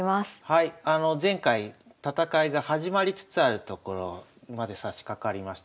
前回戦いが始まりつつあるところまでさしかかりました。